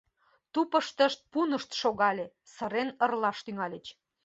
Тупыштышт пунышт шогале, сырен ырлаш тӱҥальыч.